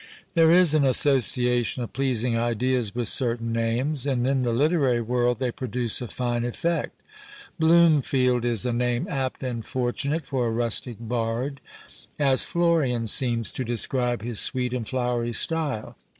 There is an association of pleasing ideas with certain names, and in the literary world they produce a fine effect. Bloomfield is a name apt and fortunate for a rustic bard; as Florian seems to describe his sweet and flowery style.